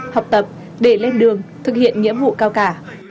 học tập để lên đường thực hiện nghĩa vụ cao cả